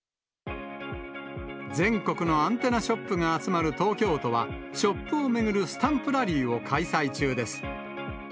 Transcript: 全国のアンテナショップが集まる東京都は、ショップを巡るスタンプラリーを開催中です。